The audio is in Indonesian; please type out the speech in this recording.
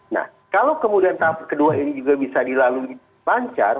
nah kalau kemudian tahap kedua ini juga bisa dilalui lancar